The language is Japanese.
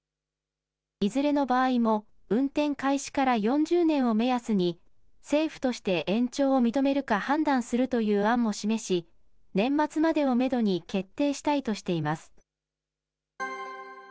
いずれの場合も運転開始から４０年を目安に、政府として延長を認めるか判断するという案も示し、年末までをメドに決定したいとしています。